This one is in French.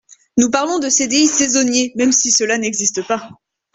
Nous parlons de CDI saisonnier, même si cela n’existe pas.